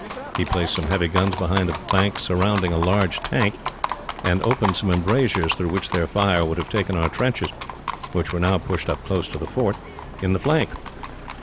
He placed some heavy guns behind a bank surrounding a large tank, and opened some embrasures through which their fire would have taken our trenches, which were now pushed up close to the fort, in flank.